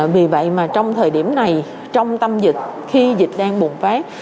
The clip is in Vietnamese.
vì vậy mà trong thời điểm này trong tâm dịch khi dịch đang bùng phát